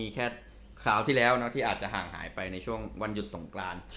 แค่คราวที่แล้วที่อาจจะห่างหายไปในช่วงวันหยุดสงกราน